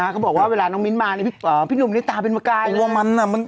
เขาบอกว่าเวลาน้องมิ้นมาพี่หนุ่มนี่ตาเป็นประกาย